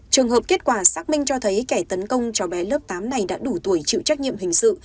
trường hợp kết quả xác minh cho thấy kẻ tấn công cháu bé lớp tám này đã đủ tuổi chịu trách nhiệm hình sự